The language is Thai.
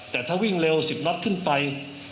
แต่ถ้าวิ่งเร็ว๑๐น็อตขึ้นไป